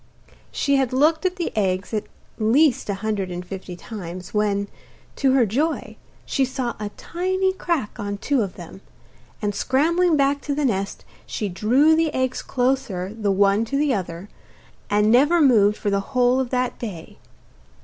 She had looked at the eggs at least a hundred and fifty times, when, to her joy, she saw a tiny crack on two of them, and scrambling back to the nest she drew the eggs closer the one to the other, and never moved for the whole of that day.